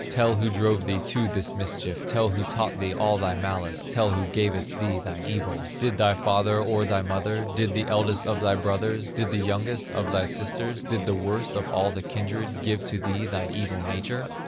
Tell who drove thee to this mischief, Tell who taught thee all thy malice, Tell who gavest thee thine evil! Did thy father, or thy mother, Did the eldest of thy brothers, Did the youngest of thy sisters, Did the worst of all thy kindred Give to thee thine evil nature?